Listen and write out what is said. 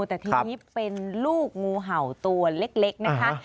แต่ทีนี้เป็นลูกงูเห่าตัวเล็กนะคะ